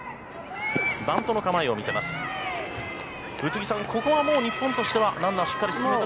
バントの構えを見せました。